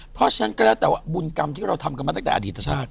เพราะฉะนั้นก็แล้วแต่ว่าบุญกรรมที่เราทำกันมาตั้งแต่อดีตชาติ